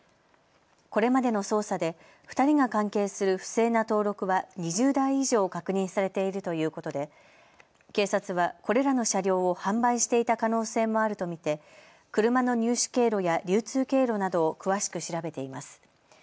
これまでの捜査で２人が関係する不正な登録は２０台以上確認されているということで警察はこれらの車両を販売していた可能性もあると見て車の入手経路や流通経路などを詳しく調べています。